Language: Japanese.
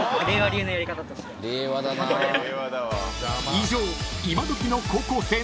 ［以上］